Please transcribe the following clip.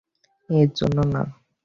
এর জন্য না।